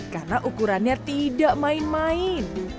karena ukurannya tidak main main